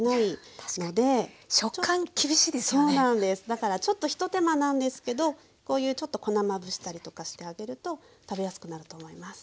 だからちょっと一手間なんですけどこういうちょっと粉まぶしたりとかしてあげると食べやすくなると思います。